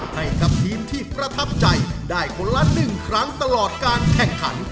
ให้กับทีมที่ประทับใจได้คนละ๑ครั้งตลอดการแข่งขัน